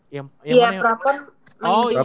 iya prapon main juga